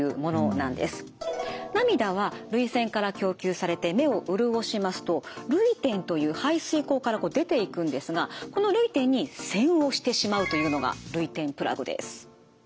涙は涙腺から供給されて目を潤しますと涙点という排水口から出ていくんですがこの涙点に栓をしてしまうというのが涙点プラグです。